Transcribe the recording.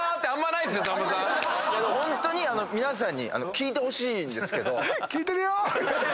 ホントに皆さんに聞いてほしいんですけど。